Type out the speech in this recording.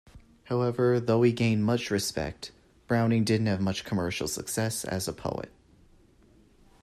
However, though he gained respect, Browning didn't have much commercial success as a poet.